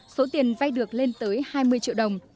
số tiền vay được lên tới hai mươi triệu đồng